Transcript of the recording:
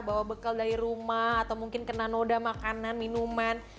bawa bekal dari rumah atau mungkin kena noda makanan minuman